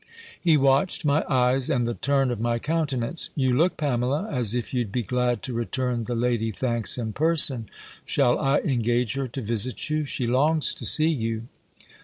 He watched my eyes, and the turn of my countenance "You look, Pamela, as if you'd be glad to return the lady thanks in person. Shall I engage her to visit you? She longs to see you."